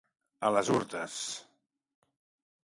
A les hurtes.